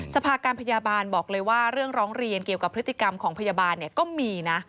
สภาการพยาบาลบอกเลยว่าเรื่องร้องเรียนเกี่ยวกับพฤติกรรมของพยาบาลก็มีนะ